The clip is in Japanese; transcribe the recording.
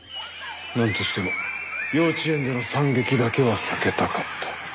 なんとしても幼稚園での惨劇だけは避けたかった。